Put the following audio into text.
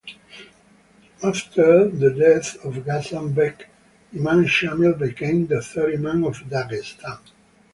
After the death of Gamzat-bek, Imam Shamil became the third imam of Dagestan.